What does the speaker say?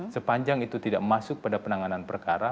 sepanjang itu tidak masuk pada penanganan perkara